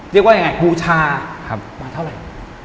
เรียกว่ายังไงบูชามาเท่าไหร่